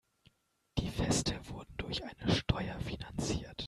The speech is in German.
Die Feste wurden durch eine Steuer finanziert.